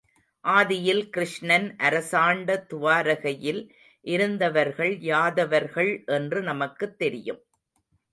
ஆதியில் கிருஷ்ணன் அரசாண்ட துவாரகையில் இருந்தவர்கள் யாதவர்கள் என்று நமக்குத் தெரியும்.